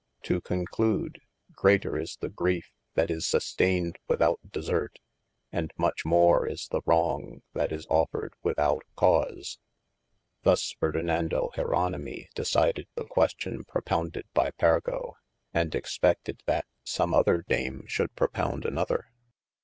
To conclude, greater is the griefe that is susteined without desert, & much more is the wrog that is offered without cause. Thus Ferdinando Jeronimy decided the question propounded by Pergo, and expefted that some other Dame should propound another